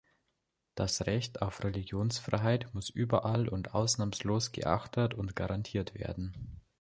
Das Recht auf Religionsfreiheit muss überall und ausnahmslos geachtet und garantiert werden.